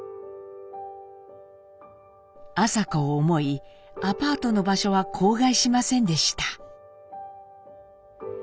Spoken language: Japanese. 麻子を思いアパートの場所は口外しませんでした。